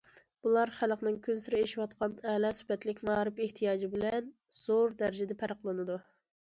بۇلار خەلقنىڭ كۈنسېرى ئېشىۋاتقان ئەلا سۈپەتلىك مائارىپ ئېھتىياجى بىلەن زور دەرىجىدە پەرقلىنىدۇ.